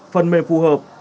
phần mềm phù hợp